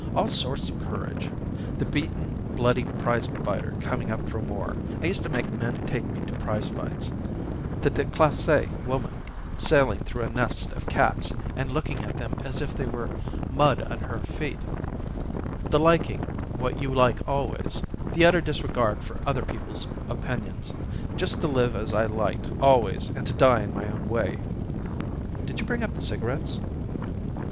All sorts of courage the beaten, bloody prize fighter coming up for more I used to make men take me to prize fights; the déclassé woman sailing through a nest of cats and looking at them as if they were mud under her feet; the liking what you like always; the utter disregard for other people's opinions just to live as I liked always and to die in my own way Did you bring up the cigarettes?"